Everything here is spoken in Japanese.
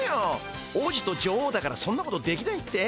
王子と女王だからそんなことできないって？